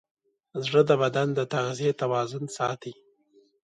زړه د بدن د تغذیې توازن ساتي.